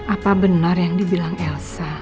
apa benar yang dibilang elsa